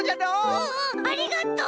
うんうんありがとう！